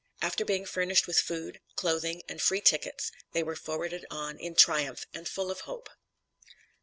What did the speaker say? After being furnished with food, clothing, and free tickets, they were forwarded on in triumph and full of hope.